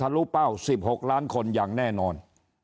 ถ้ารู้หรือเปล่า๑๖ล้านคนอย่างแน่นอน